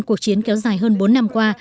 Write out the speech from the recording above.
cuộc chiến kéo dài hơn bốn năm qua